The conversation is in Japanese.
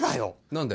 何で？